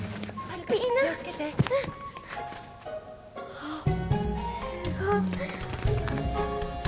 あっすごい。